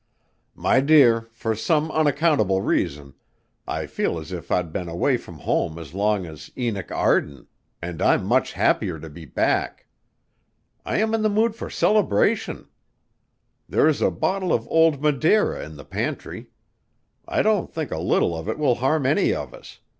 "My dear, for some unaccountable reason, I feel as if I'd been away from home as long as Enoch Arden and I'm much happier to be back. I am in the mood for celebration. There's a bottle of old Madeira in the pantry. I don't think a little of it will harm any of us